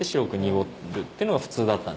ていうのが普通だった。